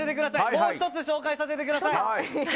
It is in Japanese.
もう１つ紹介させてください。